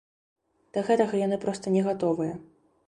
Да гэтага яны проста не гатовыя.